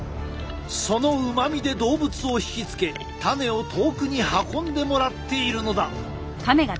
そのうまみで動物を引き付け種を遠くに運んでもらっているのだ！